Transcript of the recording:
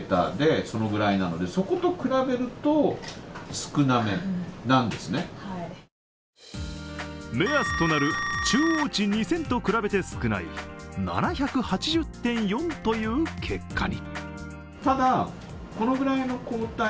その結果は目安となる中央値２０００と比べて少ない７８０．４という結果に。